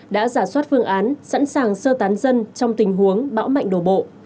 đã giả soát phương án sẵn sàng sơ tán dân trong tình huống bão mạnh đổ bộ